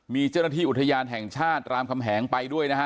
มีเจ้าหน้าที่อุทยานแห่งชาติรามคำแหงไปด้วยนะฮะ